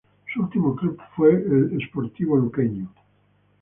Su último club fue Sportivo Luqueño.